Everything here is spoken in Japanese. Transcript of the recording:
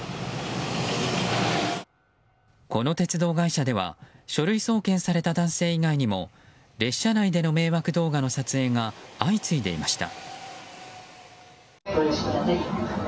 この鉄道会社では書類送検された男性以外にも列車内での迷惑動画の撮影が相次いでいました。